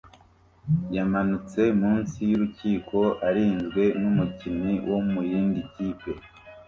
yamanutse munsi yurukiko arinzwe numukinnyi wo muyindi kipe